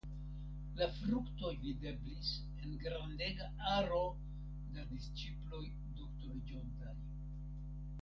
La fruktoj videblis en grandega aro da disĉiploj doktoriĝontaj.